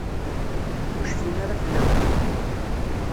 Ur cfin ara fell-awen.